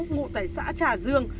ngụ tại xã trà dương